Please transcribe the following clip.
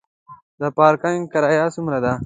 د پارکینګ کرایه څومره ده؟